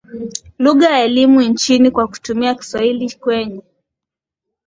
lugha ya elimu nchini kwa kutumia Kiswahili kwenye